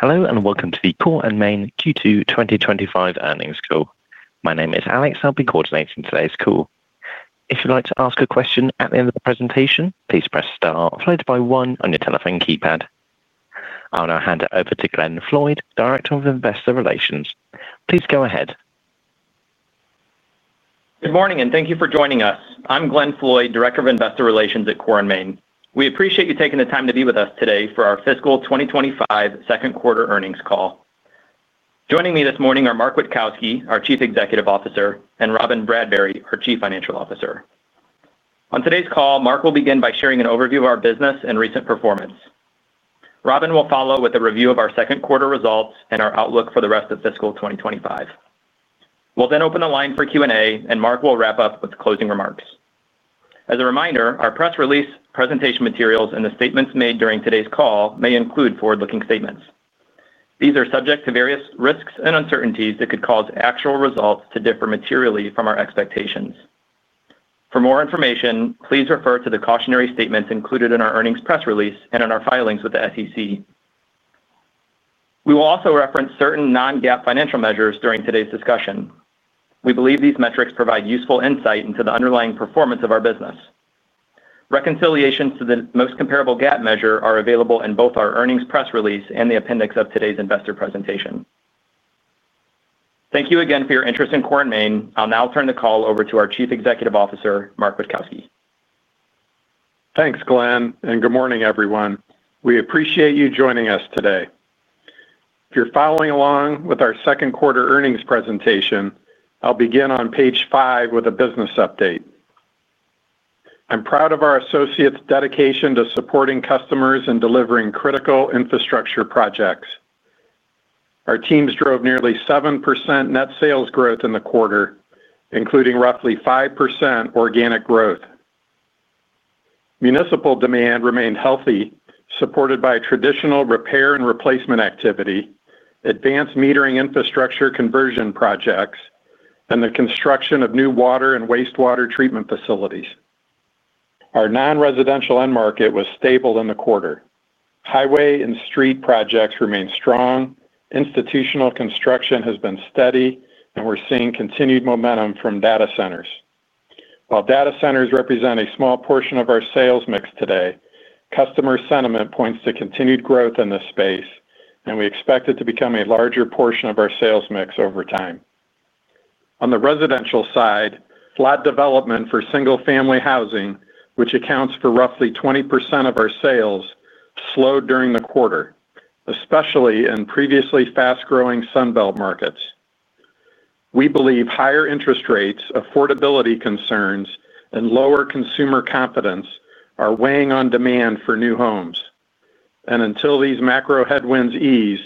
Hello and welcome to the Core & Main Q2 2025 Earnings Call. My name is Alex. I'll be coordinating today's call. If you'd like to ask a question at the end of the presentation, please press star followed by one on your telephone keypad. I'll now hand it over to Glenn Floyd, Director of Investor Relations. Please go ahead. Good morning and thank you for joining us. I'm Glenn Floyd, Director of Investor Relations at Core & Main. We appreciate you taking the time to be with us today for our Fiscal 2025 Second Quarter Earnings Call. Joining me this morning are Mark Witkowski, our Chief Executive Officer, and Robyn Bradbury, our Chief Financial Officer. On today's call, Mark will begin by sharing an overview of our business and recent performance. Robyn will follow with a review of our second quarter results and our outlook for the rest of fiscal 2025. We'll then open the line for Q&A, and Mark will wrap up with closing remarks. As a reminder, our press release, presentation materials, and the statements made during today's call may include forward-looking statements. These are subject to various risks and uncertainties that could cause actual results to differ materially from our expectations. For more information, please refer to the cautionary statements included in our earnings press release and in our filings with the SEC. We will also reference certain non-GAAP financial measures during today's discussion. We believe these metrics provide useful insight into the underlying performance of our business. Reconciliations to the most comparable GAAP measure are available in both our earnings press release and the appendix of today's investor presentation. Thank you again for your interest in Core & Main. I'll now turn the call over to our Chief Executive Officer, Mark Witkowski. Thanks, Glenn, and good morning, everyone. We appreciate you joining us today. If you're following along with our Second Quarter Earnings Presentation, I'll begin on page five with a business update. I'm proud of our associates' dedication to supporting customers and delivering critical infrastructure projects. Our teams drove nearly 7% net sales growth in the quarter, including roughly 5% organic growth. Municipal demand remained healthy, supported by traditional repair and replacement activity, advanced metering infrastructure conversion projects, and the construction of new water and wastewater treatment facilities. Our non-residential end market was stable in the quarter. Highway and street projects remain strong, institutional construction has been steady, and we're seeing continued momentum from data centers. While data centers represent a small portion of our sales mix today, customer sentiment points to continued growth in this space, and we expect it to become a larger portion of our sales mix over time. On the residential side, lot development for single-family housing, which accounts for roughly 20% of our sales, slowed during the quarter, especially in previously fast-growing Sun Belt marketsmarkets. We believe higher interest rates, affordability concerns, and lower consumer confidence are weighing on demand for new homes. Until these macro headwinds ease,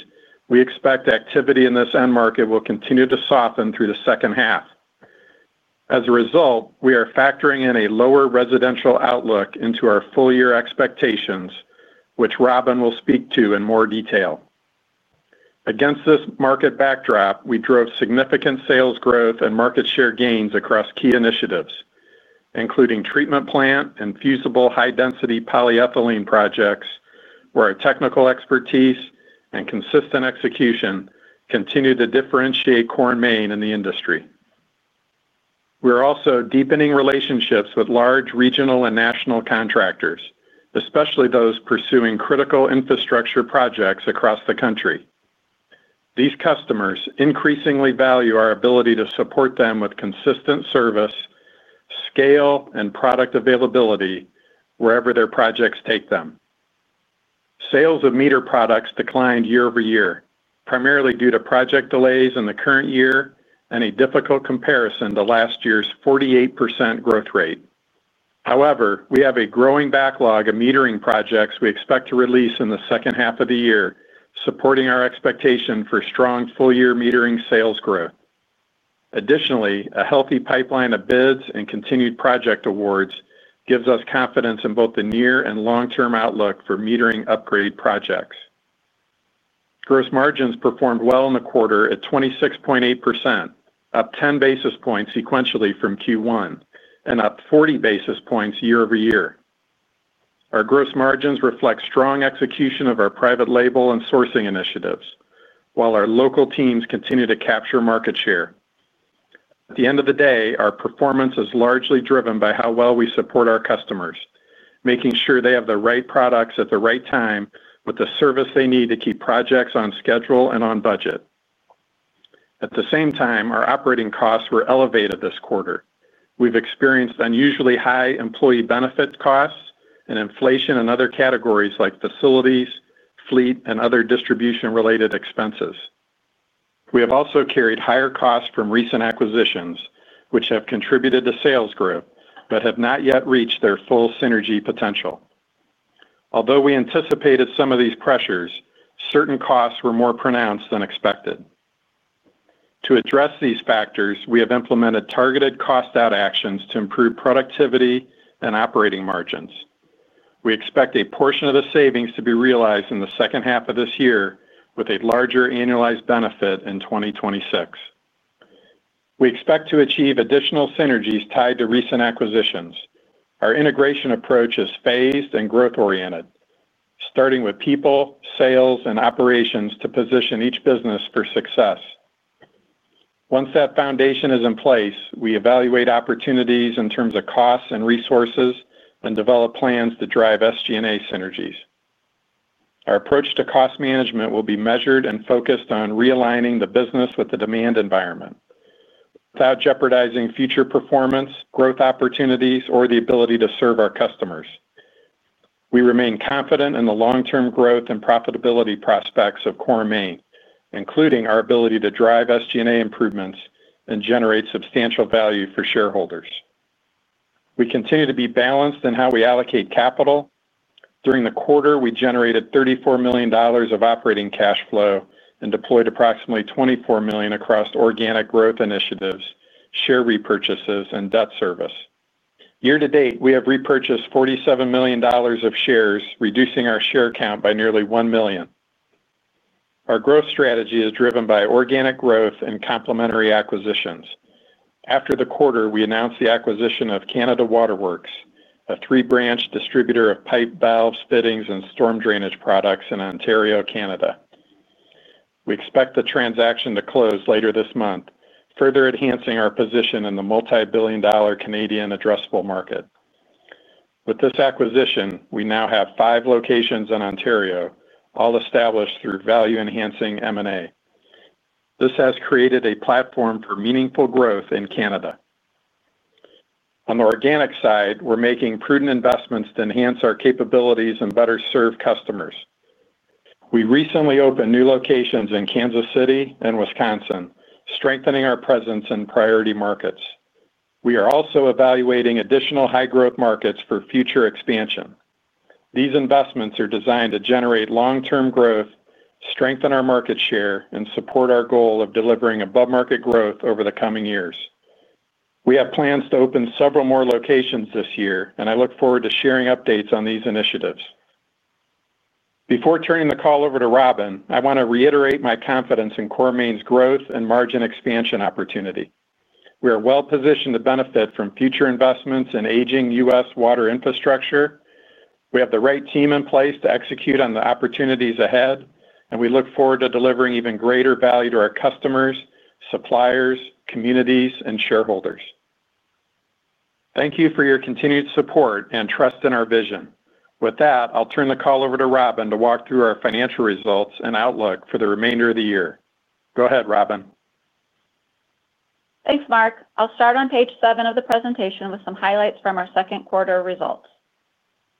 we expect activity in this end market will continue to soften through the second half. As a result, we are factoring in a lower residential outlook into our full-year expectations, which Robyn will speak to in more detail. Against this market backdrop, we drove significant sales growth and market share gains across key initiatives, including treatment plant and fusible High-density polyethylene projects, where our technical expertise and consistent execution continue to differentiate Core & Main in the industry. We are also deepening relationships with large regional and national contractors, especially those pursuing critical infrastructure projects across the country. These customers increasingly value our ability to support them with consistent service, scale, and product availability wherever their projects take them. Sales of meter products declined year-over-year, primarily due to project delays in the current year and a difficult comparison to last year's 48% growth rate. However, we have a growing backlog of metering projects we expect to release in the second half of the year, supporting our expectation for strong full-year metering sales growth. Additionally, a healthy pipeline of bids and continued project awards gives us confidence in both the near and long-term outlook for metering upgrade projects. Gross margins performed well in the quarter at 26.8%, up 10 basis points sequentially from Q1, and up 40 basis points year-over-year. Our gross margins reflect strong execution of our private label and sourcing initiatives, while our local teams continue to capture market share. At the end of the day, our performance is largely driven by how well we support our customers, making sure they have the right products at the right time with the service they need to keep projects on schedule and on budget. At the same time, our operating costs were elevated this quarter. We've experienced unusually high employee benefit costs and inflation in other categories like facilities, fleet, and other distribution-related expenses. We have also carried higher costs from recent acquisitions, which have contributed to sales growth but have not yet reached their full synergy potential. Although we anticipated some of these pressures, certain costs were more pronounced than expected. To address these factors, we have implemented targeted cost-out actions to improve productivity and operating margins. We expect a portion of the savings to be realized in the second half of this year, with a larger annualized benefit in 2026. We expect to achieve additional synergies tied to recent acquisitions. Our integration approach is phased and growth-oriented, starting with people, sales, and operations to position each business for success. Once that foundation is in place, we evaluate opportunities in terms of costs and resources and develop plans to drive SG&A synergies. Our approach to cost management will be measured and focused on realigning the business with the demand environment without jeopardizing future performance, growth opportunities, or the ability to serve our customers. We remain confident in the long-term growth and profitability prospects of Core & Main, including our ability to drive SG&A improvements and generate substantial value for shareholders. We continue to be balanced in how we allocate capital. During the quarter, we generated $34 million of operating cash flow and deployed approximately $24 million across organic growth initiatives, share repurchases, and debt service. Year to date, we have repurchased $47 million of shares, reducing our share count by nearly 1 million. Our growth strategy is driven by organic growth and complementary acquisitions. After the quarter, we announced the acquisition of Canada Waterworks, a three-branch distributor of pipe, valves, fittings, and storm drainage products in Ontario, Canada. We expect the transaction to close later this month, further enhancing our position in the multi-billion dollar Canadian addressable market. With this acquisition, we now have five locations in Ontario, all established through value-enhancing M&A. This has created a platform for meaningful growth in Canada. On the organic side, we're making prudent investments to enhance our capabilities and better serve customers. We recently opened new locations in Kansas City and Wisconsin, strengthening our presence in priority markets. We are also evaluating additional high-growth markets for future expansion. These investments are designed to generate long-term growth, strengthen our market share, and support our goal of delivering above-market growth over the coming years. We have plans to open several more locations this year, and I look forward to sharing updates on these initiatives. Before turning the call over to Robyn, I want to reiterate my confidence in Core & Main's growth and margin expansion opportunity. We are well-positioned to benefit from future investments in aging U.S. water infrastructure. We have the right team in place to execute on the opportunities ahead, and we look forward to delivering even greater value to our customers, suppliers, communities, and shareholders. Thank you for your continued support and trust in our vision. With that, I'll turn the call over to Robyn to walk through our financial results and outlook for the remainder of the year. Go ahead, Robyn. Thanks, Mark. I'll start on page seven of the presentation with some highlights from our second quarter results.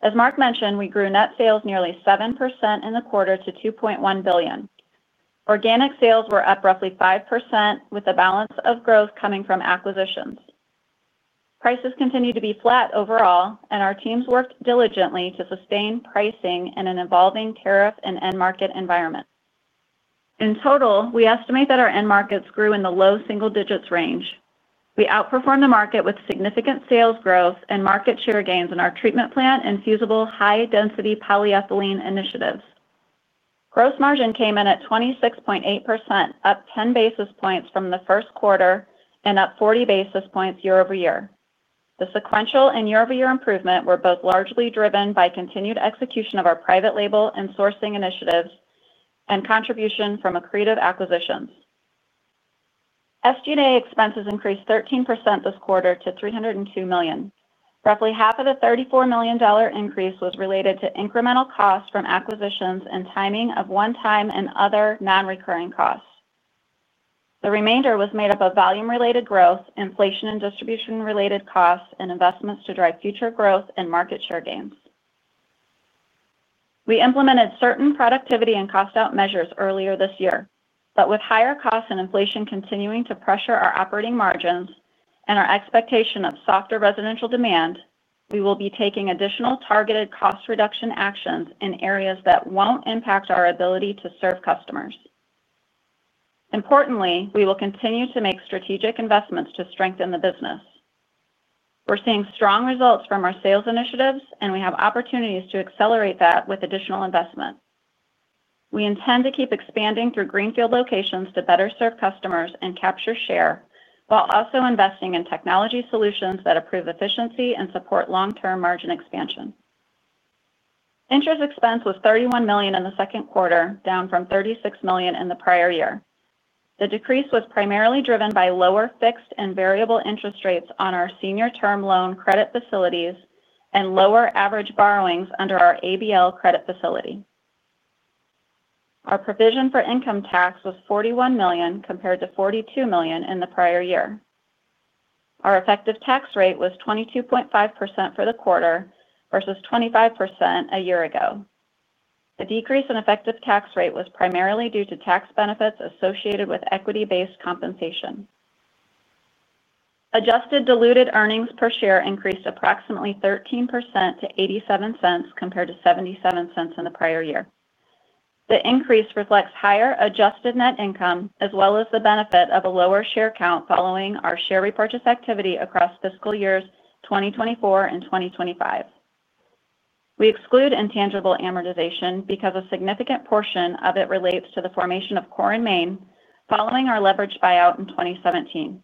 As Mark mentioned, we grew net sales nearly 7% in the quarter to $2.1 billion. Organic sales were up roughly 5%, with the balance of growth coming from acquisitions. Prices continued to be flat overall, and our teams worked diligently to sustain pricing in an evolving tariff and end-market environment. In total, we estimate that our end markets grew in the low single-digits range. We outperformed the market with significant sales growth and market share gains in our treatment plant and fusible High-density polyethylene initiatives. Gross margin came in at 26.8%, up 10 basis points from the first quarter, and up 40 basis points year-over-year. The sequential and year-over-year improvement were both largely driven by continued execution of our private label and sourcing initiatives and contribution from accretive acquisitions. SG&A expenses increased 13% this quarter to $302 million. Roughly half of the $34 million increase was related to incremental costs from acquisitions and timing of one-time and other non-recurring costs. The remainder was made up of volume-related growth, inflation and distribution-related costs, and investments to drive future growth and market share gains. We implemented certain productivity and cost-out measures earlier this year, but with higher costs and inflation continuing to pressure our operating margins and our expectation of softer residential demand, we will be taking additional targeted cost reduction actions in areas that won't impact our ability to serve customers. Importantly, we will continue to make strategic investments to strengthen the business. We're seeing strong results from our sales initiatives, and we have opportunities to accelerate that with additional investment. We intend to keep expanding through greenfield locations to better serve customers and capture share, while also investing in technology solutions that improve efficiency and support long-term margin expansion. Interest expense was $31 million in the second quarter, down from $36 million in the prior year. The decrease was primarily driven by lower fixed and variable interest rates on our senior term loan credit facilities and lower average borrowings under our ABL credit facility. Our provision for income tax was $41 million compared to $42 million in the prior year. Our effective tax rate was 22.5% for the quarter versus 25% a year ago. The decrease in effective tax rate was primarily due to tax benefits associated with equity-based compensation. Adjusted diluted earnings per share increased approximately 13% to $0.87 compared to $0.77 in the prior year. The increase reflects higher adjusted net income, as well as the benefit of a lower share count following our share repurchase activity across fiscal years 2024 and 2025. We exclude intangible amortization because a significant portion of it relates to the formation of Core & Main following our leveraged buyout in 2017.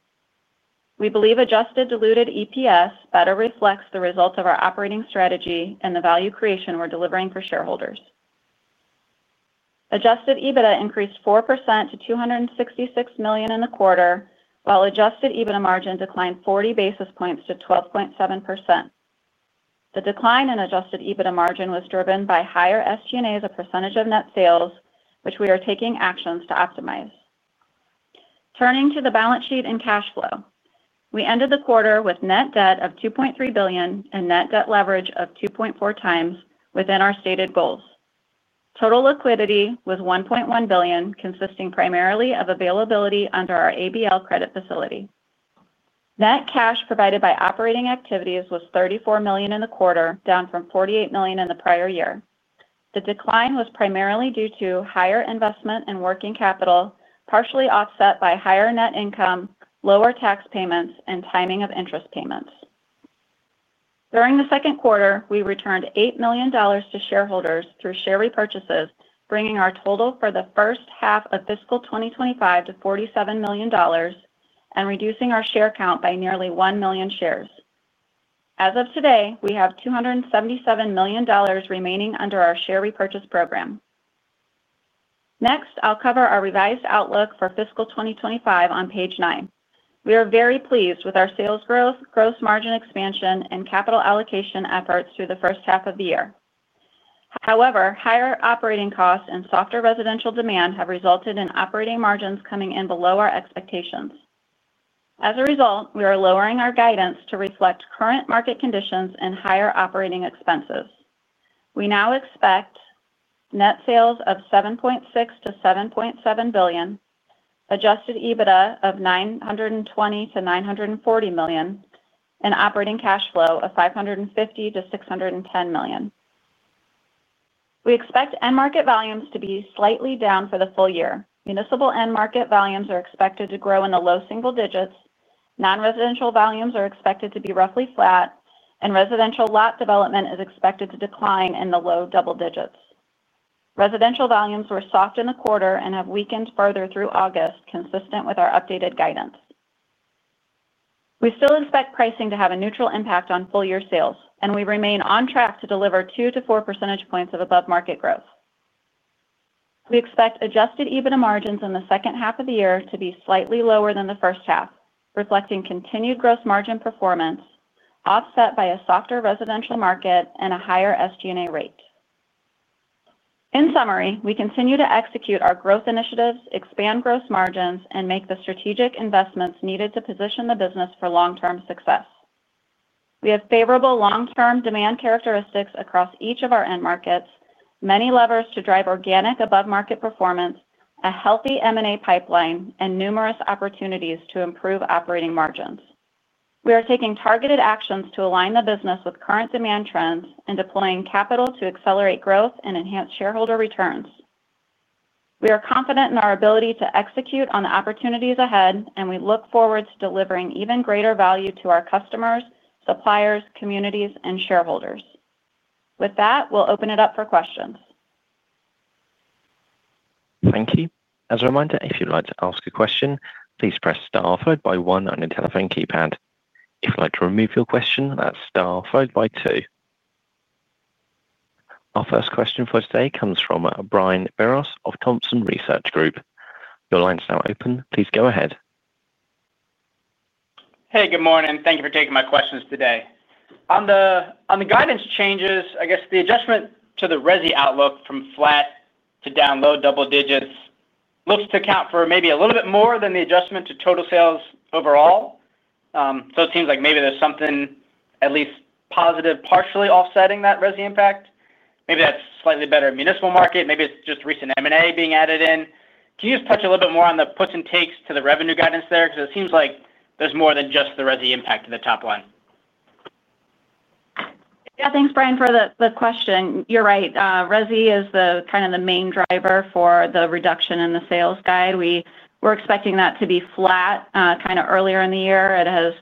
We believe adjusted diluted EPS better reflects the results of our operating strategy and the value creation we're delivering for shareholders. Adjusted EBITDA increased 4% to $266 million in the quarter, while adjusted EBITDA margin declined 40 basis points to 12.7%. The decline in adjusted EBITDA margin was driven by higher SG&A as a percentage of net sales, which we are taking actions to optimize. Turning to the balance sheet and cash flow, we ended the quarter with net debt of $2.3 billion and net debt leverage of 2.4x within our stated goals. Total liquidity was $1.1 billion, consisting primarily of availability under our ABL credit facility. Net cash provided by operating activities was $34 million in the quarter, down from $48 million in the prior year. The decline was primarily due to higher investment in working capital, partially offset by higher net income, lower tax payments, and timing of interest payments. During the second quarter, we returned $8 million to shareholders through share repurchases, bringing our total for the first half of fiscal 2025 to $47 million and reducing our share count by nearly 1 million shares. As of today, we have $277 million remaining under our share repurchase program. Next, I'll cover our revised outlook for fiscal 2025 on page nine. We are very pleased with our sales growth, gross margin expansion, and capital allocation efforts through the first half of the year. However, higher operating costs and softer residential demand have resulted in operating margins coming in below our expectations. As a result, we are lowering our guidance to reflect current market conditions and higher operating expenses. We now expect net sales of $7.6 billion-$7.7 billion, adjusted EBITDA of $920 million-$940 million, and operating cash flow of $550 million-$610 million. We expect end market volumes to be slightly down for the full year. Municipal end market volumes are expected to grow in the low single digits, non-residential volumes are expected to be roughly flat, and residential lot development is expected to decline in the low double digits. Residential volumes were soft in the quarter and have weakened further through August, consistent with our updated guidance. We still expect pricing to have a neutral impact on full-year sales, and we remain on track to deliver 2% to 4% of above-market growth. We expect adjusted EBITDA margins in the second half of the year to be slightly lower than the first half, reflecting continued gross margin performance offset by a softer residential market and a higher SG&A rate. In summary, we continue to execute our growth initiatives, expand gross margins, and make the strategic investments needed to position the business for long-term success. We have favorable long-term demand characteristics across each of our end markets, many levers to drive organic above-market performance, a healthy M&A pipeline, and numerous opportunities to improve operating margins. We are taking targeted actions to align the business with current demand trends and deploying capital to accelerate growth and enhance shareholder returns. We are confident in our ability to execute on the opportunities ahead, and we look forward to delivering even greater value to our customers, suppliers, communities, and shareholders. With that, we'll open it up for questions. Thank you. As a reminder, if you'd like to ask a question, please press star followed by one on your telephone keypad. If you'd like to remove your question, that's star followed by two. Our first question for today comes from Brian Biros of Thomson Research Group. Your line's now open. Please go ahead. Hey, good morning. Thank you for taking my questions today. On the guidance changes, I guess the adjustment to the resi outlook from flat to down low double digits looks to account for maybe a little bit more than the adjustment to total sales overall. It seems like maybe there's something at least positive partially offsetting that resi impact. Maybe that's slightly better in the municipal market. Maybe it's just recent M&A being added in. Can you just touch a little bit more on the puts and takes to the revenue guidance there? It seems like there's more than just the resiimpact in the top line. Yeah, thanks, Brian, for the question. You're right. Resi is kind of the main driver for the reduction in the sales guide. We were expecting that to be flat kind of earlier in the year. It has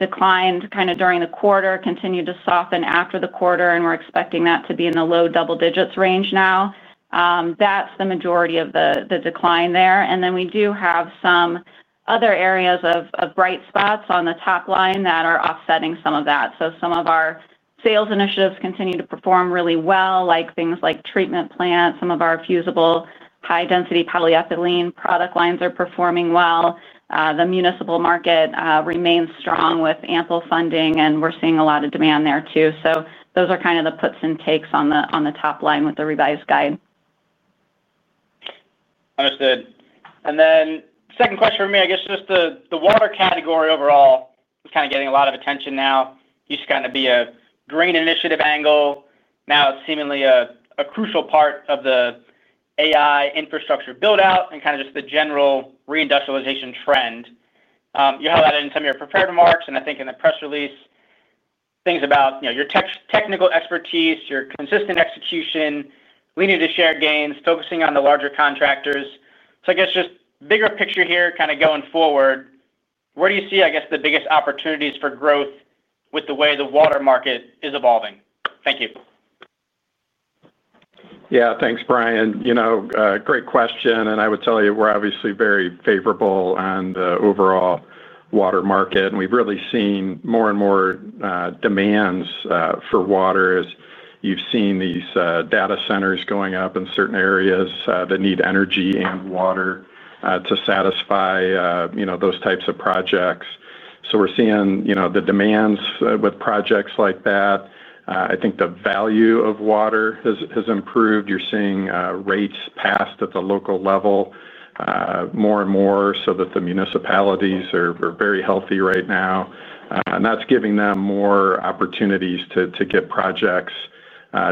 declined kind of during the quarter, continued to soften after the quarter, and we're expecting that to be in the low double digits range now. That's the majority of the decline there. We do have some other areas of bright spots on the top line that are offsetting some of that. Some of our sales initiatives continue to perform really well, like things like treatment plants. Some of our fusible High-density polyethylene product lines are performing well. The municipal market remains strong with ample funding, and we're seeing a lot of demand there too. Those are kind of the puts and takes on the top line with the revised guide. Understood. Second question for me, I guess just the water category overall is kind of getting a lot of attention now. It used to kind of be a green initiative angle. Now it's seemingly a crucial part of the AI infrastructure build-out and kind of just the general reindustrialization trend. You highlighted in some of your prepared remarks and I think in the press release things about your technical expertise, your consistent execution, leading to share gains, focusing on the larger contractors. I guess just bigger picture here going forward, where do you see, I guess, the biggest opportunities for growth with the way the water market is evolving? Thank you. Yeah, thanks, Brian. Great question. I would tell you, we're obviously very favorable on the overall water market. We've really seen more and more demands for water. You've seen these data centers going up in certain areas that need energy and water to satisfy those types of projects. We're seeing the demands with projects like that. I think the value of water has improved. You're seeing rates passed at the local level more and more so that the municipalities are very healthy right now. That's giving them more opportunities to get projects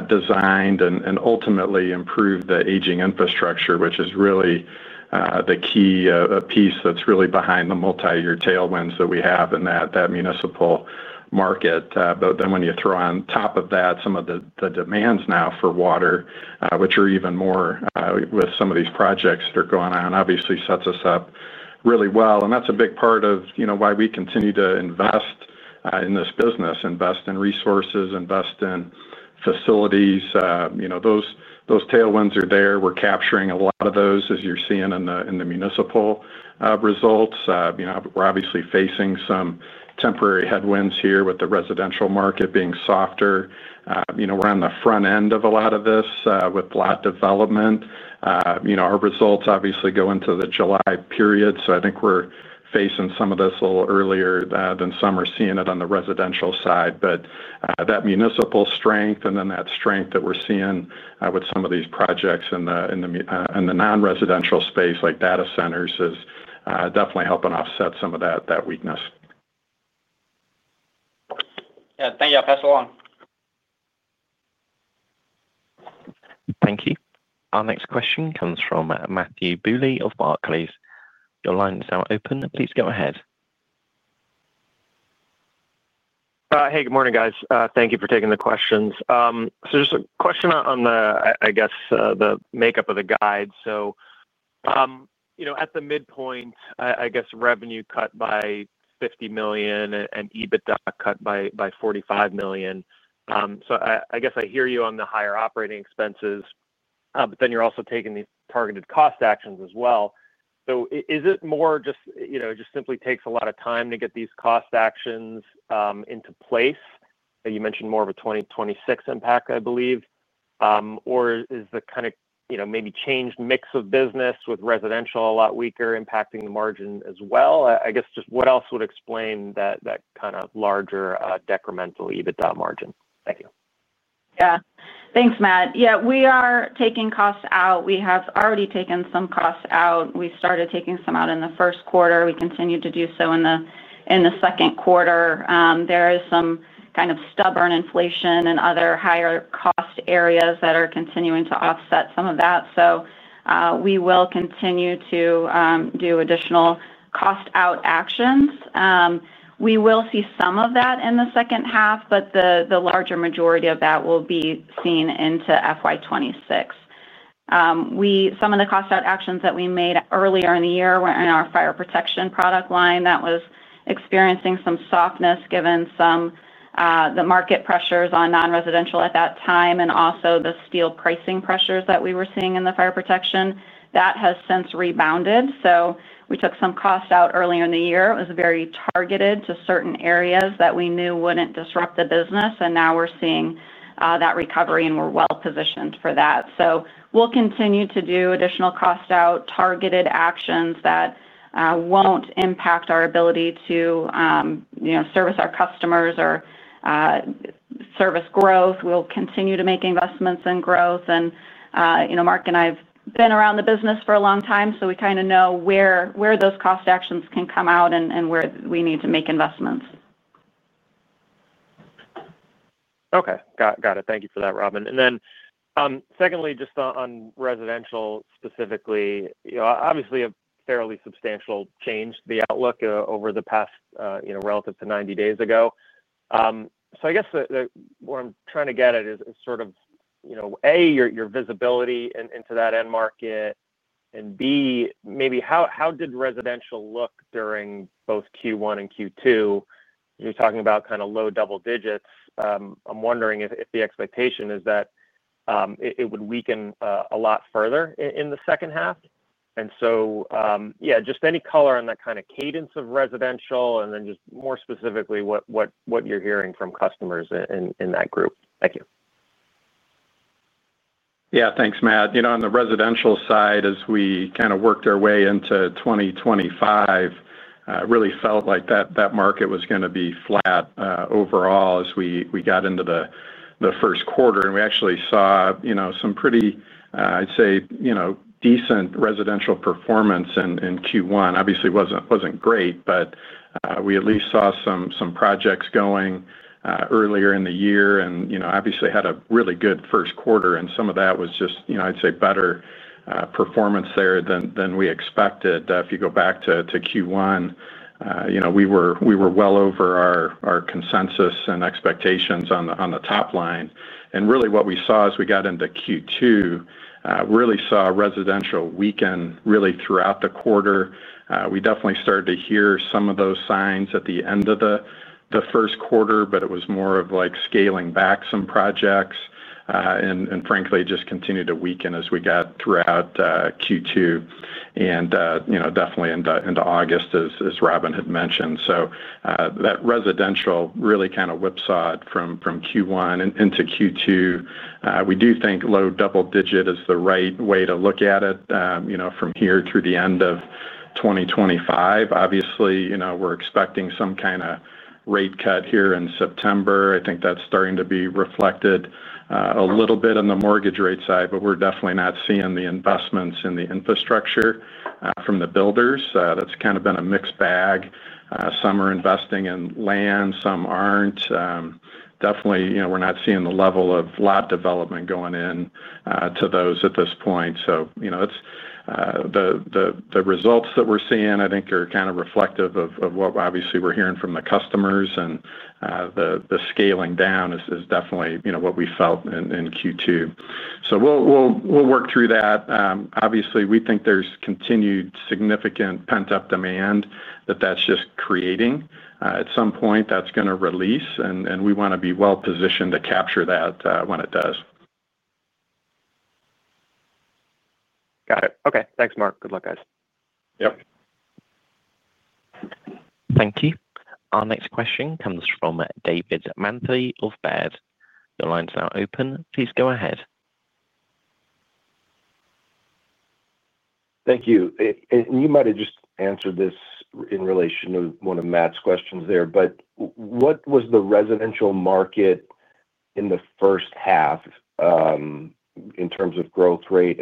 designed and ultimately improve the aging infrastructure, which is really the key piece that's really behind the multi-year tailwinds that we have in that municipal market. When you throw on top of that some of the demands now for water, which are even more with some of these projects that are going on, it obviously sets us up really well. That's a big part of why we continue to invest in this business, invest in resources, invest in facilities. Those tailwinds are there. We're capturing a lot of those, as you're seeing in the municipal results. We're obviously facing some temporary headwinds here with the residential market being softer. We're on the front end of a lot of this with lot development. Our results obviously go into the July period. I think we're facing some of this a little earlier than some are seeing it on the residential side. That municipal strength and that strength that we're seeing with some of these projects in the non-residential space, like data centers, is definitely helping offset some of that weakness. Yeah, thank you. I'll pass it along. Thank you. Our next question comes from Matthew Bouley of Barclays. Your line is now open. Please go ahead. Hey, good morning, guys. Thank you for taking the questions. Just a question on the, I guess, the makeup of the guide. At the midpoint, I guess revenue cut by $50 million and EBITDA cut by $45 million. I hear you on the higher operating expenses, but then you're also taking these targeted cost actions as well. Is it more just, you know, it just simply takes a lot of time to get these cost actions into place? You mentioned more of a 2026 impact, I believe. Is the kind of, you know, maybe changed mix of business with residential a lot weaker impacting the margin as well? I guess just what else would explain that kind of larger decremental EBITDA margin? Thank you. Yeah, thanks, Matt. Yeah, we are taking costs out. We have already taken some costs out. We started taking some out in the first quarter, and we continue to do so in the second quarter. There is some kind of stubborn inflation and other higher cost areas that are continuing to offset some of that. We will continue to do additional cost-out actions. We will see some of that in the second half, but the larger majority of that will be seen into FY2026. Some of the cost-out actions that we made earlier in the year were in our fire protection product line that was experiencing some softness given some of the market pressures on non-residential at that time and also the steel pricing pressures that we were seeing in the fire protection. That has since rebounded. We took some costs out earlier in the year. It was very targeted to certain areas that we knew wouldn't disrupt the business. Now we're seeing that recovery and we're well positioned for that. We will continue to do additional cost-out targeted actions that won't impact our ability to service our customers or service growth. We will continue to make investments in growth. Mark and I have been around the business for a long time, so we kind of know where those cost actions can come out and where we need to make investments. Okay, got it. Thank you for that, Robyn. Secondly, just on residential specifically, obviously a fairly substantial change to the outlook over the past, you know, relative to 90 days ago. I guess where I'm trying to get at is sort of, A, your visibility into that end market, and B, maybe how did residential look during both Q1 and Q2? You're talking about kind of low double digits. I'm wondering if the expectation is that it would weaken a lot further in the second half. Any color on that kind of cadence of residential and then just more specifically what you're hearing from customers in that group. Thank you. Yeah, thanks, Matt. You know, on the residential side, as we kind of worked our way into 2025, it really felt like that market was going to be flat overall as we got into the first quarter. We actually saw some pretty, I'd say, decent residential performance in Q1. Obviously, it wasn't great, but we at least saw some projects going earlier in the year and obviously had a really good first quarter. Some of that was just, I'd say, better performance there than we expected. If you go back to Q1, we were well over our consensus and expectations on the top line. Really what we saw as we got into Q2, we saw residential weaken really throughout the quarter. We definitely started to hear some of those signs at the end of the first quarter, but it was more like scaling back some projects and frankly just continued to weaken as we got throughout Q2 and definitely into August, as Robyn had mentioned. That residential really kind of whipsawed from Q1 into Q2. We do think low double digit is the right way to look at it from here through the end of 2025. Obviously, we're expecting some kind of rate cut here in September. I think that's starting to be reflected a little bit on the mortgage rate side, but we're definitely not seeing the investments in the infrastructure from the builders. That's kind of been a mixed bag. Some are investing in land, some aren't. Definitely, we're not seeing the level of lot development going into those at this point. The results that we're seeing, I think, are kind of reflective of what obviously we're hearing from the customers and the scaling down is definitely what we felt in Q2. We'll work through that. Obviously, we think there's continued significant pent-up demand that that's just creating. At some point, that's going to release, and we want to be well positioned to capture that when it does. Got it. Okay, thanks, Mark. Good luck, guys. Yep. Thank you. Our next question comes from David Manthey of Baird. Your line's now open. Please go ahead. Thank you. You might have just answered this in relation to one of Matt's questions there, but what was the residential market in the first half in terms of growth rate?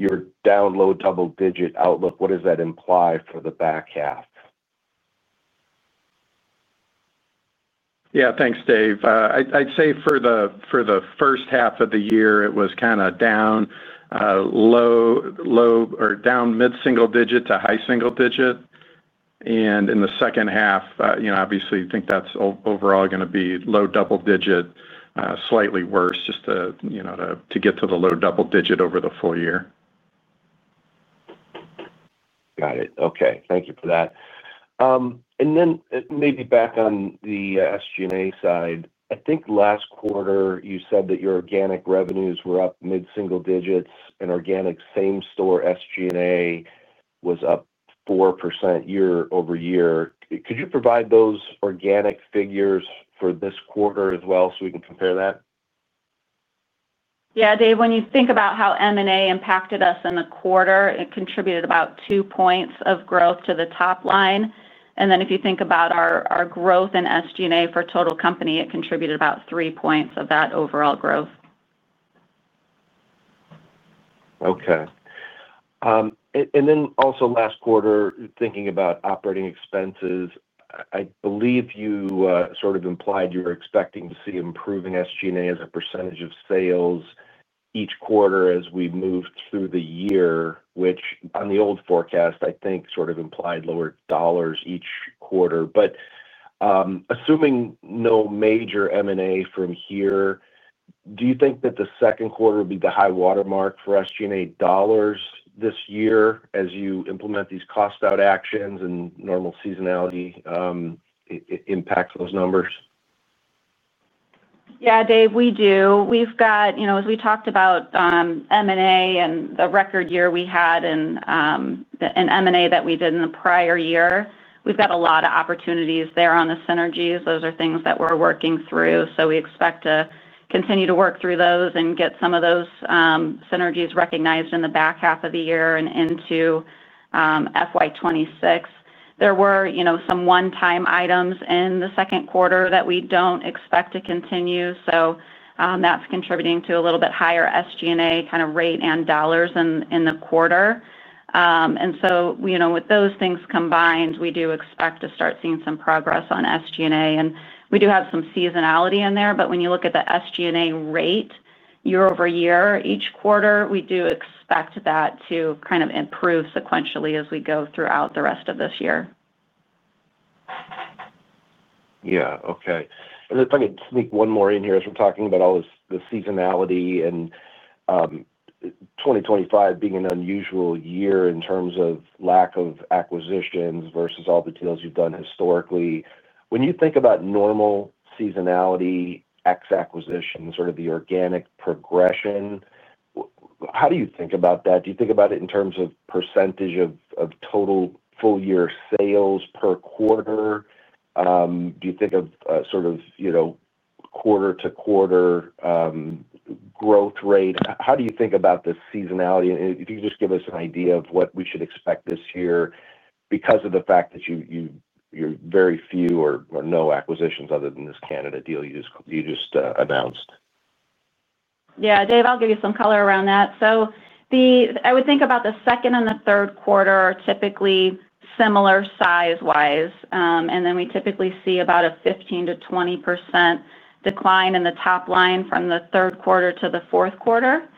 Your down low double digit outlook, what does that imply for the back half? Yeah, thanks, Dave. I'd say for the first half of the year, it was kind of down low or down mid-single digit to high single digit. In the second half, I think that's overall going to be low double digit, slightly worse just to get to the low double digit over the full year. Got it. Okay, thank you for that. Maybe back on the SG&A side, I think last quarter you said that your organic revenues were up mid-single digits and organic same-store SG&A was up 4% year-over-year. Could you provide those organic figures for this quarter as well so we can compare that? Yeah, Dave, when you think about how M&A impacted us in the quarter, it contributed about 2 points of growth to the top line. If you think about our growth in SG&A for total company, it contributed about 3 points of that overall growth. Okay. Also, last quarter, thinking about operating expenses, I believe you sort of implied you were expecting to see improving SG&A as a percentage of sales each quarter as we move through the year, which on the old forecast, I think sort of implied lower dollars each quarter. Assuming no major M&A from here, do you think that the second quarter would be the high watermark for SG&A dollars this year as you implement these cost-out actions and normal seasonality impacts those numbers? Yeah, Dave, we do. We've got, you know, as we talked about M&A and the record year we had in M&A that we did in the prior year, we've got a lot of opportunities there on the synergies. Those are things that we're working through. We expect to continue to work through those and get some of those synergies recognized in the back half of the year and into FY2026. There were some one-time items in the second quarter that we don't expect to continue. That's contributing to a little bit higher SG&A kind of rate and dollars in the quarter. With those things combined, we do expect to start seeing some progress on SG&A. We do have some seasonality in there, but when you look at the SG&A rate year-over-year each quarter, we do expect that to kind of improve sequentially as we go throughout the rest of this year. Yeah, okay. If I could sneak one more in here as we're talking about all this seasonality and 2025 being an unusual year in terms of lack of acquisitions versus all the deals you've done historically, when you think about normal seasonality ex-acquisition, sort of the organic progression, how do you think about that? Do you think about it in terms of % of total full-year sales per quarter? Do you think of, you know, quarter-to-quarter growth rate? How do you think about the seasonality? If you could just give us an idea of what we should expect this year because of the fact that you're very few or no acquisitions other than this Canada deal you just announced. Yeah, Dave, I'll give you some color around that. I would think about the second and the third quarter are typically similar size-wise, and we typically see about a 15%-20% decline in the top line from the third quarter to the fourth quarter.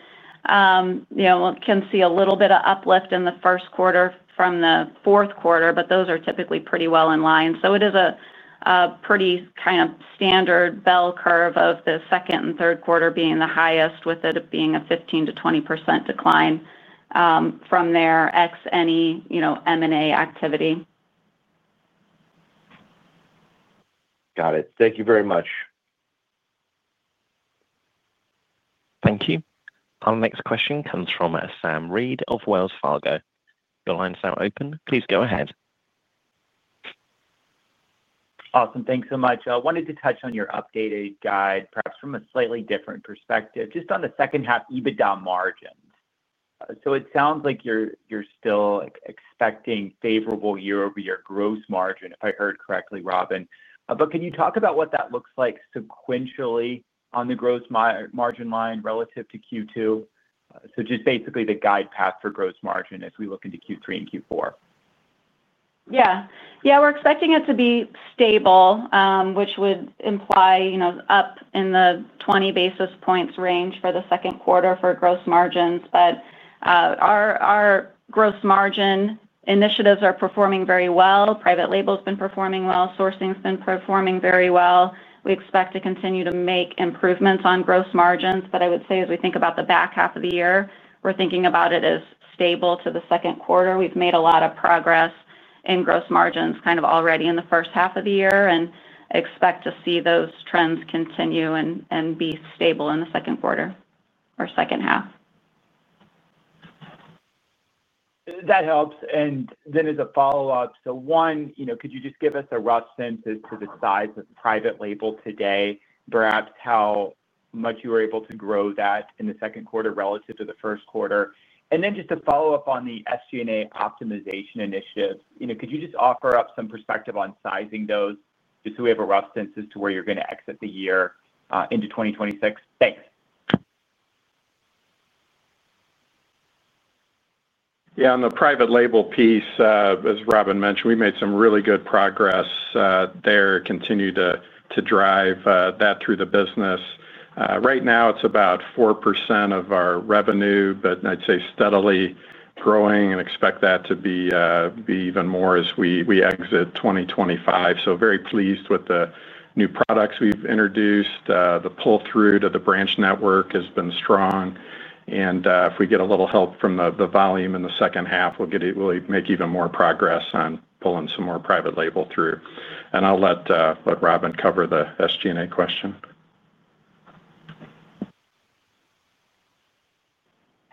You know, we can see a little bit of uplift in the first quarter from the fourth quarter, but those are typically pretty well in line. It is a pretty kind of standard bell curve of the second and third quarter being the highest with it being a 15%-20% decline from there ex any, you know, M&A activity. Got it. Thank you very much. Thank you. Our next question comes from Sam Reid of Wells Fargo. Your line's now open. Please go ahead. Awesome. Thanks so much. I wanted to touch on your updated guide, perhaps from a slightly different perspective, just on the second half EBITDA margins. It sounds like you're still expecting favorable year-over-year gross margin, if I heard correctly, Robyn. Can you talk about what that looks like sequentially on the gross margin line relative to Q2? Just basically the guide path for gross margin as we look into Q3 and Q4. Yeah, we're expecting it to be stable, which would imply, you know, up in the 20 basis points range for the second quarter for gross margins. Our gross margin initiatives are performing very well. Private label's been performing well. Sourcing's been performing very well. We expect to continue to make improvements on gross margins. I would say as we think about the back half of the year, we're thinking about it as stable to the second quarter. We've made a lot of progress in gross margins kind of already in the first half of the year. I expect to see those trends continue and be stable in the second quarter or second half. That helps. As a follow-up, could you just give us a rough sense as to the size of private label today, perhaps how much you were able to grow that in the second quarter relative to the first quarter? To follow up on the SG&A optimization initiative, could you just offer up some perspective on sizing those just so we have a rough sense as to where you're going to exit the year into 2026? Thanks. Yeah, on the private label piece, as Robyn mentioned, we made some really good progress there. Continue to drive that through the business. Right now, it's about 4% of our revenue, but I'd say steadily growing and expect that to be even more as we exit 2025. Very pleased with the new products we've introduced. The pull-through to the branch network has been strong. If we get a little help from the volume in the second half, we'll make even more progress on pulling some more private label through. I'll let Robyn cover the SG&A question.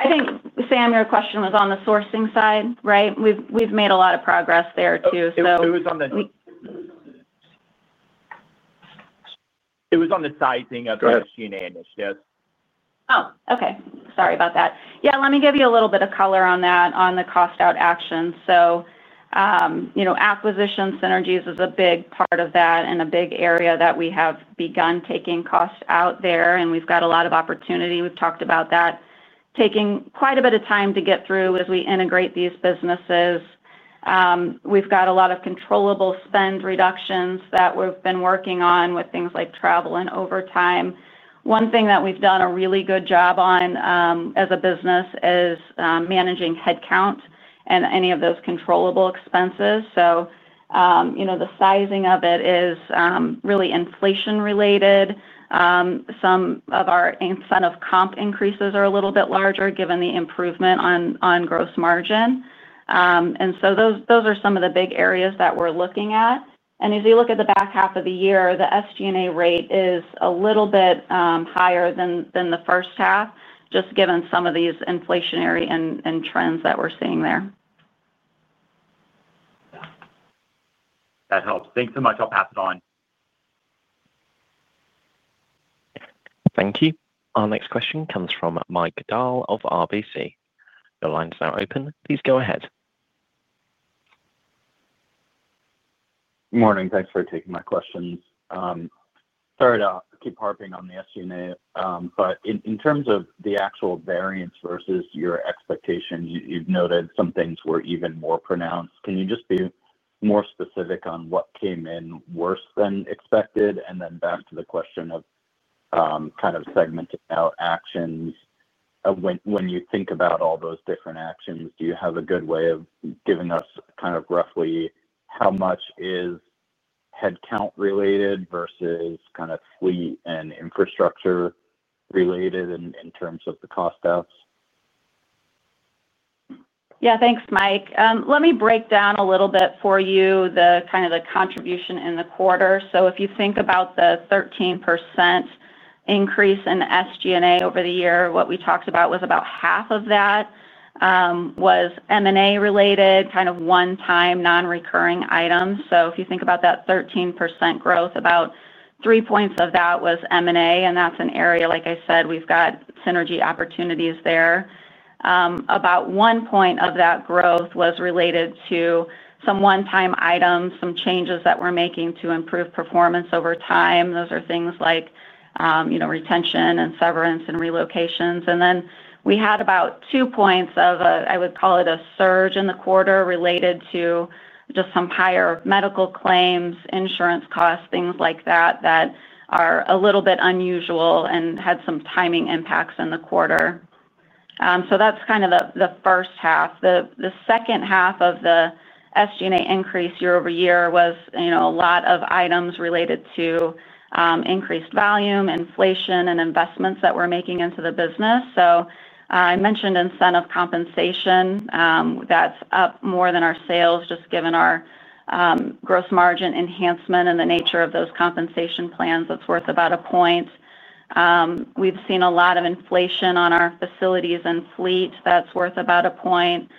I think, Sam, your question was on the sourcing side, right? We've made a lot of progress there too. It was on the sizing of the SG&A initiative. Okay. Sorry about that. Let me give you a little bit of color on that, on the cost-out actions. Acquisition synergies is a big part of that and a big area that we have begun taking costs out there. We've got a lot of opportunity. We've talked about that. Taking quite a bit of time to get through as we integrate these businesses. We've got a lot of controllable spend reductions that we've been working on with things like travel and overtime. One thing that we've done a really good job on as a business is managing headcount and any of those controllable expenses. The sizing of it is really inflation-related. Some of our incentive comp increases are a little bit larger given the improvement on gross margin. Those are some of the big areas that we're looking at. As you look at the back half of the year, the SG&A rate is a little bit higher than the first half, just given some of these inflationary trends that we're seeing there. That helps. Thanks so much. I'll pass it on. Thank you. Our next question comes from Mike Dahl of RBC. Your line's now open. Please go ahead. Morning. Thanks for taking my questions. Sorry to keep harping on the SG&A, but in terms of the actual variance versus your expectations, you've noted some things were even more pronounced. Can you just be more specific on what came in worse than expected? Back to the question of kind of segmenting out actions, when you think about all those different actions, do you have a good way of giving us kind of roughly how much is headcount-related versus kind of fleet and infrastructure-related in terms of the cost deaths? Yeah, thanks, Mike. Let me break down a little bit for you the kind of the contribution in the quarter. If you think about the 13% increase in SG&A over the year, what we talked about was about half of that was M&A-related, kind of one-time non-recurring items. If you think about that 13% growth, about three points of that was M&A, and that's an area, like I said, we've got synergy opportunities there. About one point of that growth was related to some one-time items, some changes that we're making to improve performance over time. Those are things like retention and severance and relocations. We had about two points of, I would call it a surge in the quarter related to just some higher medical claims, insurance costs, things like that that are a little bit unusual and had some timing impacts in the quarter. That's kind of the first half. The second half of the SG&A increase year-over-year was a lot of items related to increased volume, inflation, and investments that we're making into the business. I mentioned incentive compensation. That's up more than our sales, just given our gross margin enhancement and the nature of those compensation plans. That's worth about a point. We've seen a lot of inflation on our facilities and fleet. That's worth about a point.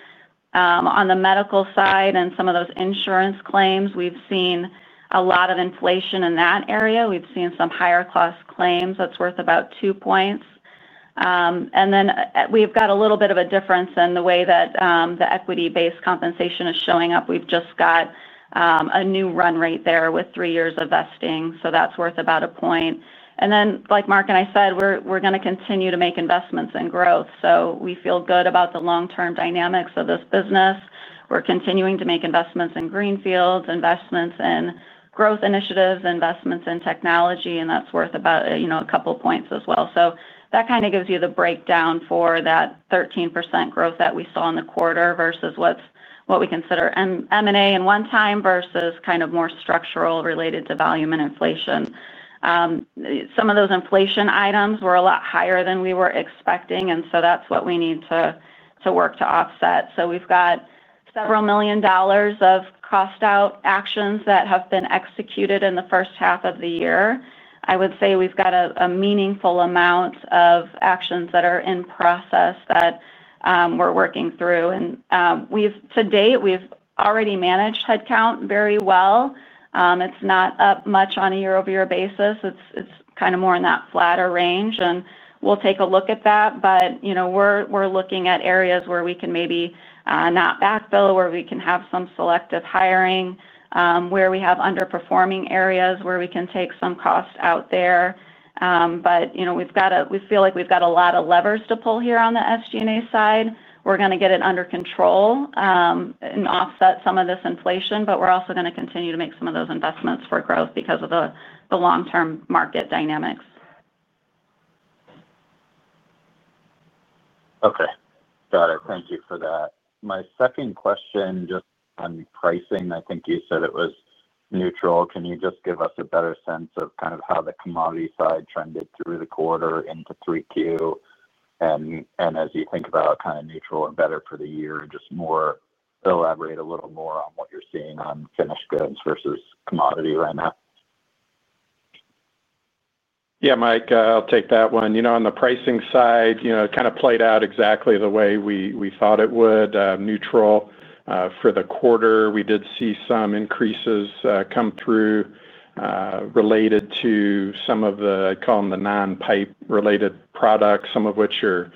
On the medical side and some of those insurance claims, we've seen a lot of inflation in that area. We've seen some higher cost claims. That's worth about two points. We've got a little bit of a difference in the way that the equity-based compensation is showing up. We've just got a new run rate there with three years of vesting. That's worth about a point. Like Mark and I said, we're going to continue to make investments in growth. We feel good about the long-term dynamics of this business. We're continuing to make investments in greenfields, investments in growth initiatives, investments in technology, and that's worth about a couple of points as well. That kind of gives you the breakdown for that 13% growth that we saw in the quarter versus what we consider M&A and one-time versus kind of more structural related to volume and inflation. Some of those inflation items were a lot higher than we were expecting, and that's what we need to work to offset. We've got several million dollars of cost-out actions that have been executed in the first half of the year. I would say we've got a meaningful amount of actions that are in process that we're working through. To date, we've already managed headcount very well. It's not up much on a year-over-year basis. It's kind of more in that flatter range, and we'll take a look at that. We're looking at areas where we can maybe not backfill, where we can have some selective hiring, where we have underperforming areas where we can take some cost out there. We've got a lot of levers to pull here on the SG&A side. We're going to get it under control and offset some of this inflation, but we're also going to continue to make some of those investments for growth because of the long-term market dynamics. Okay. Got it. Thank you for that. My second question, just on pricing, I think you said it was neutral. Can you just give us a better sense of kind of how the commodity side trended through the quarter into 3Q? As you think about kind of neutral and better for the year, just elaborate a little more on what you're seeing on finished goods versus commodity right now? Yeah, Mike, I'll take that one. On the pricing side, it kind of played out exactly the way we thought it would, neutral for the quarter. We did see some increases come through related to some of the, I'd call them the non-pipe related products, some of which are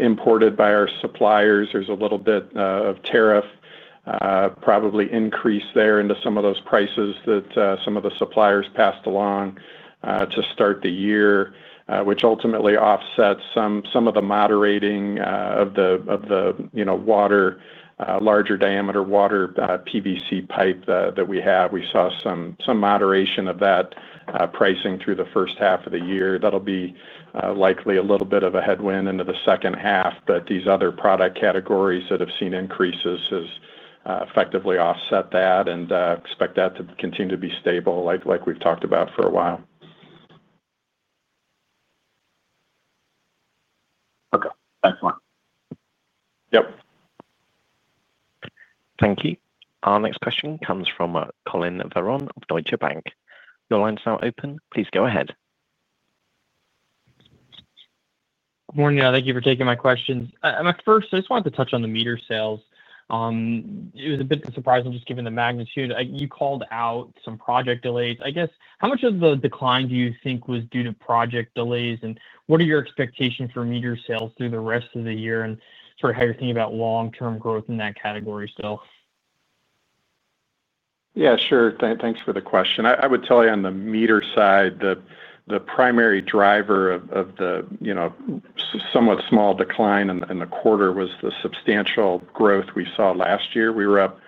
imported by our suppliers. There's a little bit of tariff probably increased there into some of those prices that some of the suppliers passed along to start the year, which ultimately offsets some of the moderating of the, you know, water, larger diameter water PVC pipe that we have. We saw some moderation of that pricing through the first half of the year. That'll be likely a little bit of a headwind into the second half, but these other product categories that have seen increases have effectively offset that and expect that to continue to be stable, like we've talked about for a while. Okay. Excellent. Yep. Thank you. Our next question comes from Collin Verron of Deutsche Bank. Your line's now open. Please go ahead. Morning. Thank you for taking my questions. My first, I just wanted to touch on the meter sales. It was a bit surprising just given the magnitude. You called out some project delays. I guess, how much of the decline do you think was due to project delays, and what are your expectations for meter sales through the rest of the year and sort of how you're thinking about long-term growth in that category still? Yeah, sure. Thanks for the question. I would tell you on the meter side, the primary driver of the, you know, somewhat small decline in the quarter was the substantial growth we saw last year. We were up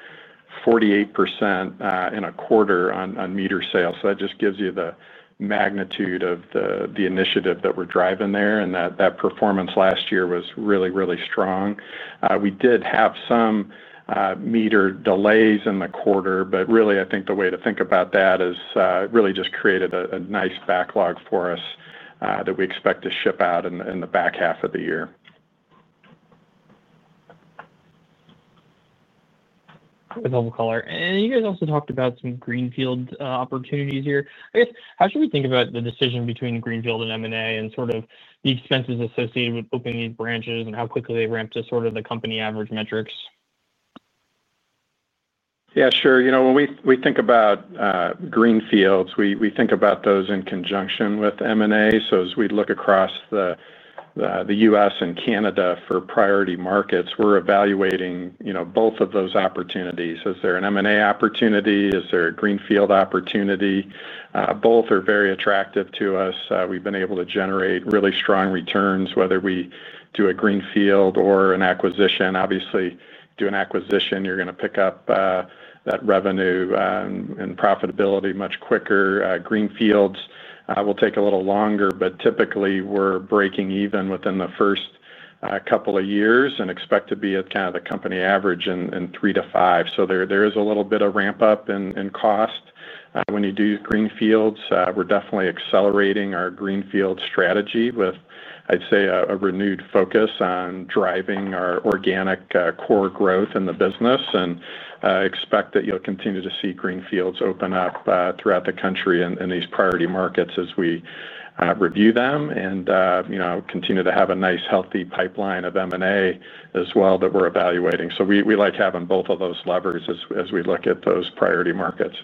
48% in a quarter on meter sales. That just gives you the magnitude of the initiative that we're driving there, and that performance last year was really, really strong. We did have some meter delays in the quarter, but really, I think the way to think about that is it really just created a nice backlog for us that we expect to ship out in the back half of the year. Quick caller. You guys also talked about some greenfield opportunities here. I guess, how should we think about the decision between greenfield and M&A and the expenses associated with opening branches and how quickly they ramp to the company average metrics? Yeah, sure. You know, when we think about greenfield locations, we think about those in conjunction with M&A. As we look across the U.S. and Canada for priority markets, we're evaluating both of those opportunities. Is there an M&A opportunity? Is there a greenfield opportunity? Both are very attractive to us. We've been able to generate really strong returns, whether we do a greenfield or an acquisition. Obviously, doing an acquisition, you're going to pick up that revenue and profitability much quicker. Greenfields will take a little longer, but typically, we're breaking even within the first couple of years and expect to be at kind of the company average in three to five. There is a little bit of ramp-up in cost when you do greenfields. We're definitely accelerating our greenfield strategy with, I'd say, a renewed focus on driving our organic core growth in the business. I expect that you'll continue to see greenfields open up throughout the country in these priority markets as we review them and continue to have a nice, healthy pipeline of M&A as well that we're evaluating. We like having both of those levers as we look at those priority markets.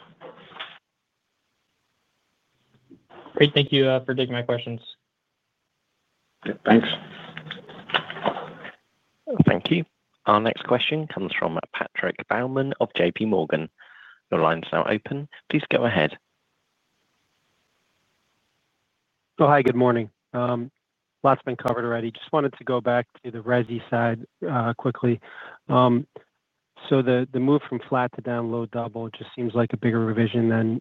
Great. Thank you for taking my questions. Thanks. Thank you. Our next question comes from Patrick Baumann of JPMorgan. Your line's now open. Please go ahead. Oh, hi. Good morning. Lots been covered already. Just wanted to go back to the resi side quickly. The move from flat to down low double just seems like a bigger revision than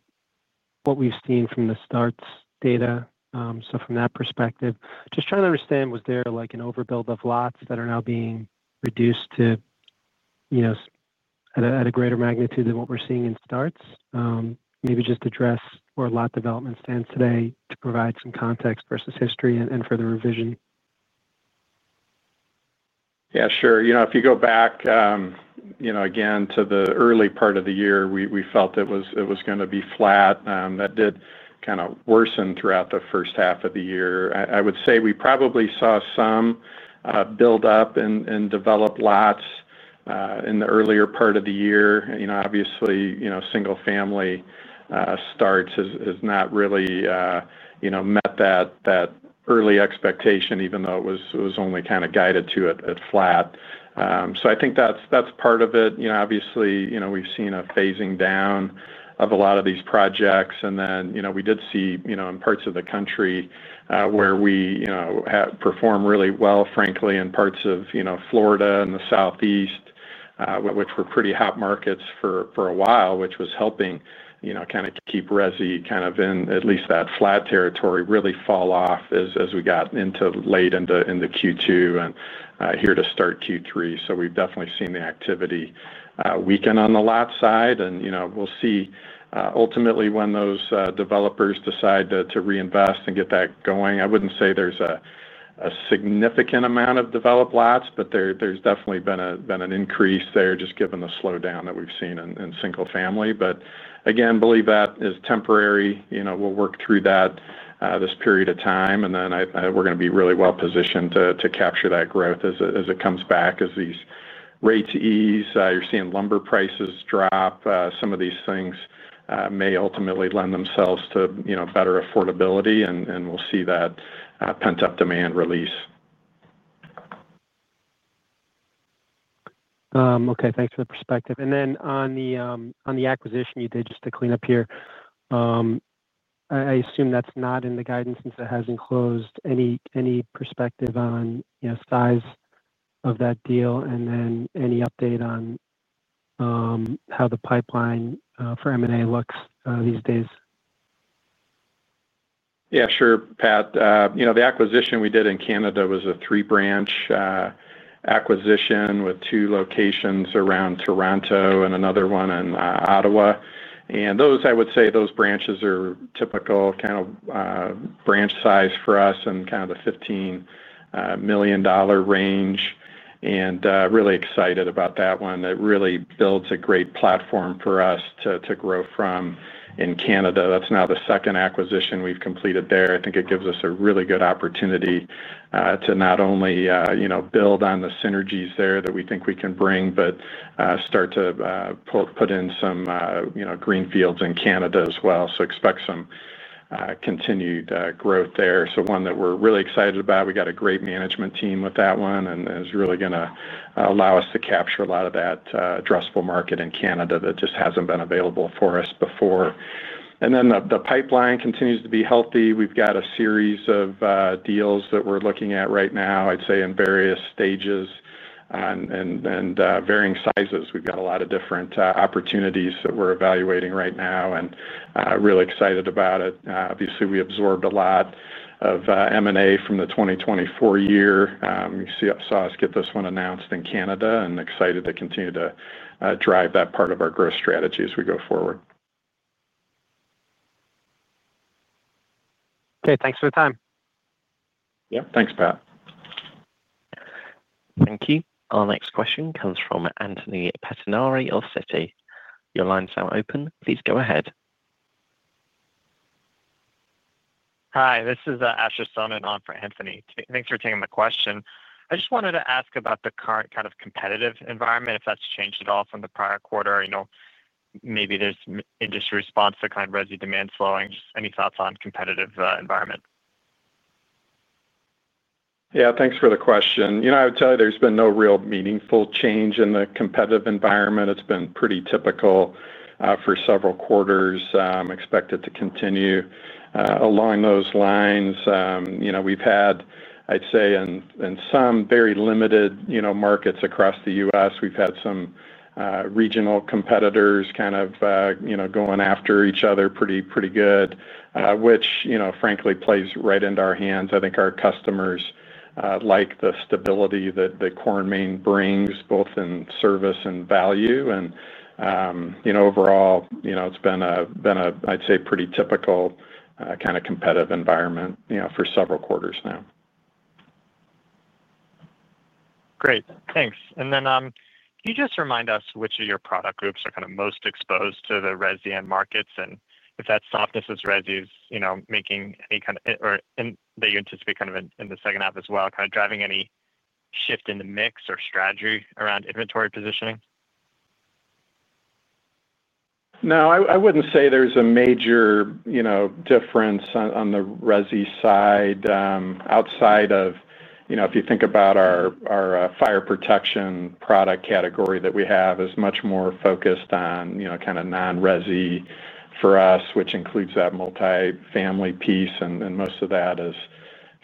what we've seen from the starts data. From that perspective, just trying to understand, was there like an overbuild of lots that are now being reduced to, you know, at a greater magnitude than what we're seeing in starts? Maybe just address where residential lot development stands today to provide some context versus history and for the revision. Yeah, sure. If you go back to the early part of the year, we felt it was going to be flat. That did kind of worsen throughout the first half of the year. I would say we probably saw some build-up in developed lots in the earlier part of the year. Obviously, single-family starts has not really met that early expectation, even though it was only kind of guided to it at flat. I think that's part of it. Obviously, we've seen a phasing down of a lot of these projects. We did see in parts of the country where we perform really well, frankly, in parts of Florida and the Southeast, which were pretty hot markets for a while, which was helping keep resi kind of in at least that flat territory, really fall off as we got into late into Q2 and here to start Q3. We've definitely seen the activity weaken on the lot side. We'll see ultimately when those developers decide to reinvest and get that going. I wouldn't say there's a significant amount of developed lots, but there's definitely been an increase there just given the slowdown that we've seen in single-family. Again, believe that is temporary. We'll work through this period of time. We're going to be really well positioned to capture that growth as it comes back. As these rates ease, you're seeing lumber prices drop. Some of these things may ultimately lend themselves to better affordability. We'll see that pent-up demand release. Okay. Thanks for the perspective. On the acquisition you did, just to clean up here, I assume that's not in the guidance since it hasn't closed. Any perspective on, you know, size of that deal and any update on how the pipeline for M&A looks these days? Yeah, sure, Pat. You know, the acquisition we did in Canada was a three-branch acquisition with two locations around Toronto and another one in Ottawa. Those, I would say, those branches are typical kind of branch size for us in kind of the $15 million range. Really excited about that one. It really builds a great platform for us to grow from in Canada. That's now the second acquisition we've completed there. I think it gives us a really good opportunity to not only, you know, build on the synergies there that we think we can bring, but start to put in some, you know, greenfields in Canada as well. Expect some continued growth there. One that we're really excited about. We got a great management team with that one, and it's really going to allow us to capture a lot of that addressable market in Canada that just hasn't been available for us before. The pipeline continues to be healthy. We've got a series of deals that we're looking at right now, I'd say, in various stages and varying sizes. We've got a lot of different opportunities that we're evaluating right now and really excited about it. Obviously, we absorbed a lot of M&A from the 2024 year. You saw us get this one announced in Canada and excited to continue to drive that part of our growth strategy as we go forward. Okay, thanks for the time. Yeah, thanks, Pat. Thank you. Our next question comes from Anthony Pettinari of Citi. Your line's now open. Please go ahead. Hi. This is Aysher Sohnen on for Anthony. Thanks for taking the question. I just wanted to ask about the current kind of competitive environment, if that's changed at all from the prior quarter. Maybe there's industry response to kind of residential demand slowing. Just any thoughts on the competitive environment? Yeah, thanks for the question. I would tell you there's been no real meaningful change in the competitive environment. It's been pretty typical for several quarters. I expect it to continue along those lines. We've had, I'd say, in some very limited markets across the U.S., we've had some regional competitors kind of going after each other pretty good, which, frankly, plays right into our hands. I think our customers like the stability that Core & Main brings, both in service and value. Overall, it's been a, I'd say, pretty typical kind of competitive environment for several quarters now. Great. Thanks. Can you just remind us which of your product groups are most exposed to the residential end markets? If that's not, is residential making any kind of, or that you anticipate in the second half as well, driving any shift in the mix or strategy around inventory positioning? No, I wouldn't say there's a major difference on the resi side outside of, you know, if you think about our fire protection product category that we have, it is much more focused on, you know, kind of non-resi for us, which includes that multifamily piece. Most of that is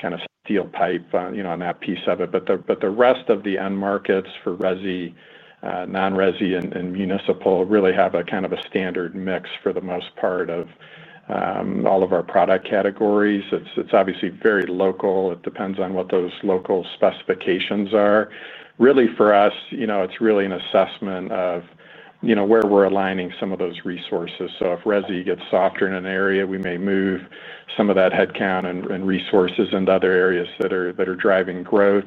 kind of steel pipe on that piece of it. The rest of the end markets for resi, non-resi, and municipal really have a kind of a standard mix for the most part of all of our product categories. It's obviously very local. It depends on what those local specifications are. Really, for us, it's really an assessment of where we're aligning some of those resources. If resi gets softer in an area, we may move some of that headcount and resources into other areas that are driving growth.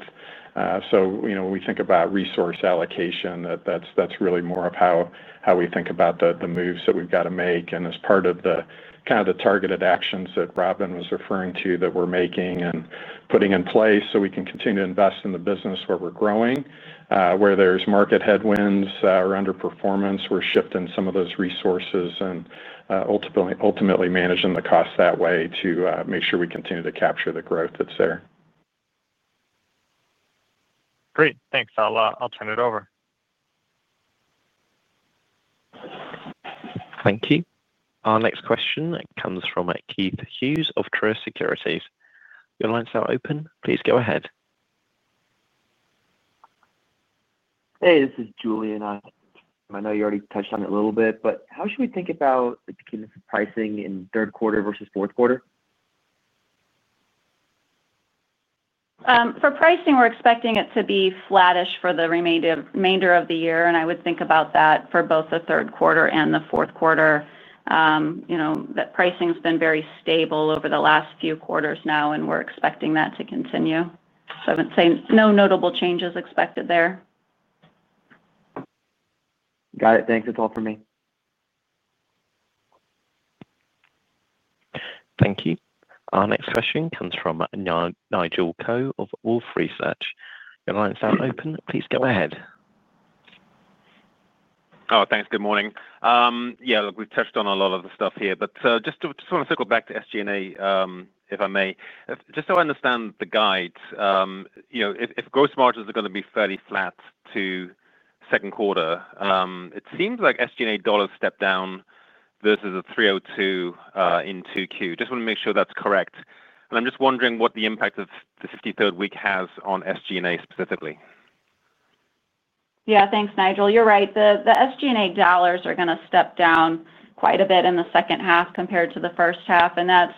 When we think about resource allocation, that's really more of how we think about the moves that we've got to make. As part of the targeted actions that Robyn was referring to, that we're making and putting in place, we can continue to invest in the business where we're growing. Where there's market headwinds or underperformance, we're shifting some of those resources and ultimately managing the costs that way to make sure we continue to capture the growth that's there. Great. Thanks. I'll turn it over. Thank you. Our next question comes from Keith Hughes of True Securities. Your line's now open. Please go ahead. Hey, this is Joon Lee. I know you already touched on it a little bit, but how should we think about the pricing in third quarter versus fourth quarter? For pricing, we're expecting it to be flattish for the remainder of the year. I would think about that for both the third quarter and the fourth quarter. Pricing's been very stable over the last few quarters now, and we're expecting that to continue. I would say no notable changes expected there. Got it. Thanks. That's all for me. Thank you. Our next question comes from Nigel Coe of Wolfe Research. Your line's now open. Please go ahead. Oh, thanks. Good morning. Yeah, look, we've touched on a lot of the stuff here, but just want to circle back to SG&A, if I may. Just so I understand the guide, you know, if gross margins are going to be fairly flat to second quarter, it seems like SG&A dollars stepped down versus $302 million in Q2. Just want to make sure that's correct. I'm just wondering what the impact of the 53rd week has on SG&A specifically. Yeah, thanks, Nigel. You're right. The SG&A dollars are going to step down quite a bit in the second half compared to the first half. That's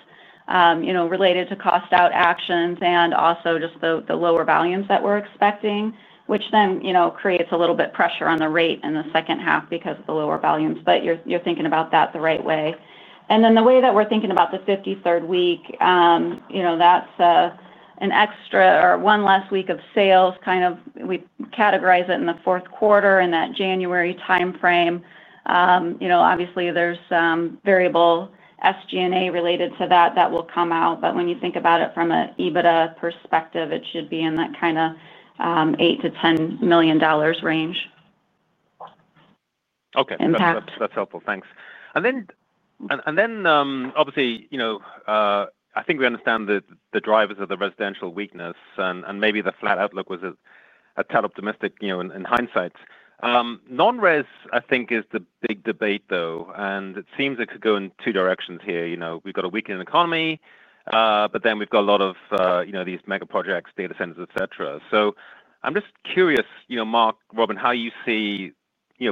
related to cost-out actions and also just the lower volumes that we're expecting, which then creates a little bit of pressure on the rate in the second half because of the lower volumes. You're thinking about that the right way. The way that we're thinking about the 53rd week, that's an extra or one less week of sales. We categorize it in the fourth quarter in that January timeframe. Obviously, there's variable SG&A related to that that will come out. When you think about it from an EBITDA perspective, it should be in that kind of $8 million-$10 million range. Okay. That's helpful. Thanks. I think we understand the drivers of the residential weakness, and maybe the flat outlook was a tad optimistic in hindsight. Non-res, I think, is the big debate, though. It seems it could go in two directions here. We've got a weakening economy, but we've got a lot of these mega projects, data centers, et cetera. I'm just curious, Mark, Robyn, how you see,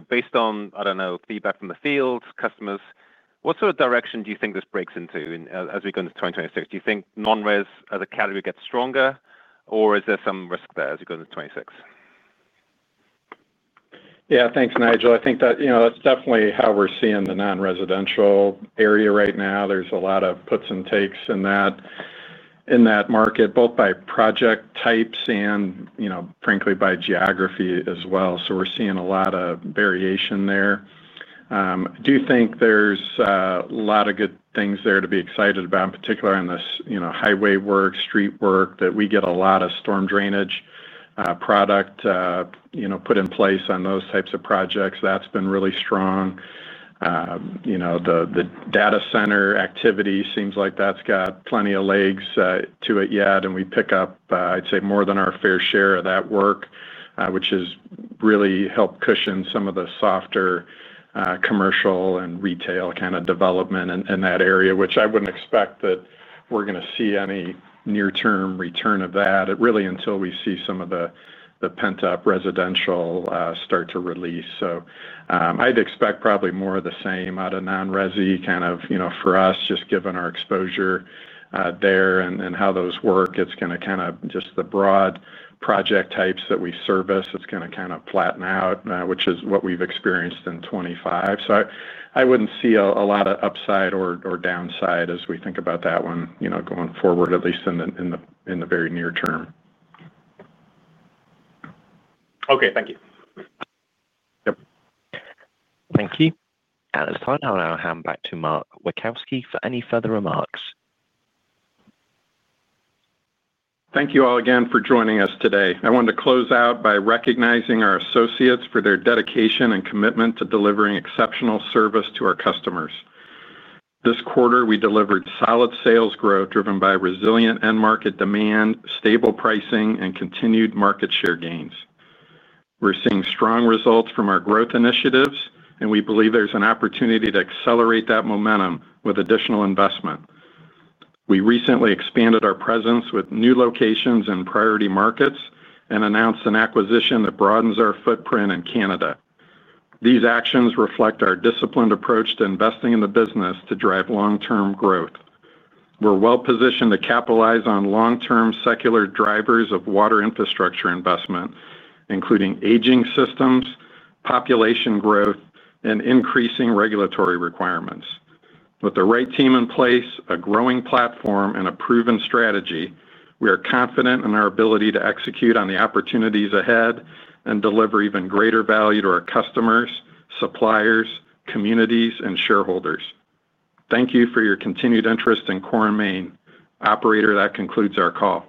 based on feedback from the fields, customers, what sort of direction do you think this breaks into as we go into 2026? Do you think non-res as a category gets stronger, or is there some risk there as we go into 2026? Yeah, thanks, Nigel. I think that, you know, that's definitely how we're seeing the non-residential area right now. There's a lot of puts and takes in that market, both by project types and, you know, frankly, by geography as well. We're seeing a lot of variation there. I do think there's a lot of good things there to be excited about, in particular in this highway work, street work, that we get a lot of storm drainage product put in place on those types of projects. That's been really strong. The data center activity seems like that's got plenty of legs to it yet. We pick up, I'd say, more than our fair share of that work, which has really helped cushion some of the softer commercial and retail kind of development in that area, which I wouldn't expect that we're going to see any near-term return of that really until we see some of the pent-up residential start to release. I'd expect probably more of the same out of non-resi kind of, you know, for us, just given our exposure there and how those work. It's going to kind of just the broad project types that we service, it's going to kind of flatten out, which is what we've experienced in 2025. I wouldn't see a lot of upside or downside as we think about that one, you know, going forward, at least in the very near term. Okay, thank you. Thank you. At this point, I'll now hand back to Mark Witkowski for any further remarks. Thank you all again for joining us today. I wanted to close out by recognizing our associates for their dedication and commitment to delivering exceptional service to our customers. This quarter, we delivered solid sales growth driven by resilient end-market demand, stable pricing, and continued market share gains. We're seeing strong results from our growth initiatives, and we believe there's an opportunity to accelerate that momentum with additional investment. We recently expanded our presence with new locations in priority markets and announced an acquisition that broadens our footprint in Canada. These actions reflect our disciplined approach to investing in the business to drive long-term growth. We're well-positioned to capitalize on long-term secular drivers of water infrastructure investment, including aging systems, population growth, and increasing regulatory requirements. With the right team in place, a growing platform, and a proven strategy, we are confident in our ability to execute on the opportunities ahead and deliver even greater value to our customers, suppliers, communities, and shareholders. Thank you for your continued interest in Core & Main. Operator, that concludes our call.